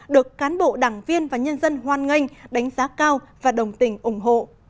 được cán bộ đảng viên và nhân dân hoan nghênh đánh giá cao và đồng tình ủng hộ